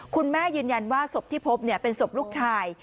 คุณแม่ยืนยันว่าศพที่พบเป็นศพลูกชาย